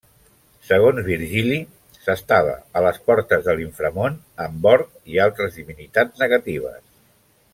Segons Virgili, s'estava a les portes de l'inframón, amb Orc i altres divinitats negatives.